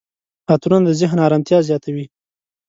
عطرونه د ذهن آرامتیا زیاتوي.